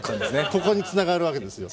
ここにつながるわけですよ。